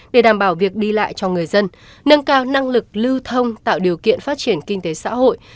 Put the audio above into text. để đảm bảo việc đi lại cho người dân nâng cao năng lực lưu thông tạo điều kiện phát triển kinh tế xã hội